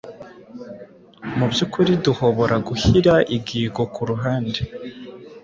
mubyukuri, duhobora guhyira igiigo kuruhande